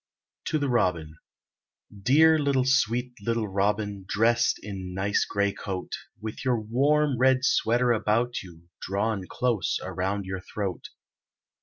*TO THE ROBIN* Dear little, sweet little robin Dressed in nice grey coat With your warm red sweater about you Drawn close around your throat.